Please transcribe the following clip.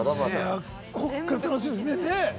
ここから楽しみですよね。